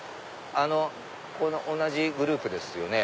あの同じグループですよね？